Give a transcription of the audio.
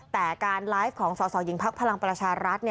แต่การไลฟ์ของสสหญิงพักพลังประชารัฐ